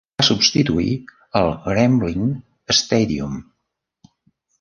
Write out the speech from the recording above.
Va substituir el "Grambling Stadium".